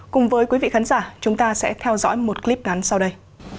cùng với quý vị khán giả chúng ta sẽ theo dõi một clip ngắn sau đây